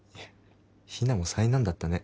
ヒナも災難だったね